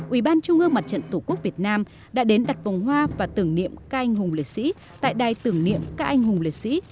ủy ban trung ương mặt trận tổ quốc việt nam đã đến đặt vòng hoa và tưởng niệm các anh hùng liệt sĩ tại đài tưởng niệm các anh hùng liệt sĩ